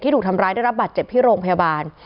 ถูกทำร้ายได้รับบาดเจ็บที่โรงพยาบาล